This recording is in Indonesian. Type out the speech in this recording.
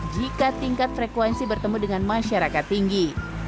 jika tingkat frekuensi bertemu dengan masyarakat tinggi